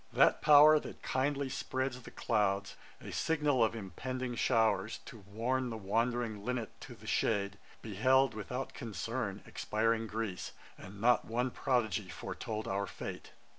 ' That power that kindly spreads The clouds, a signal of impending showers, To warn the wand'ring linnet to the shade, Beheld, without concern, expiring Greece, And not one prodigy foretold our fate.